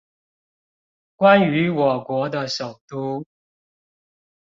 關於我國的首都